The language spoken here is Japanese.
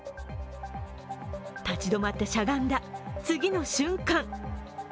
立ち止まってしゃがんだ次の瞬間。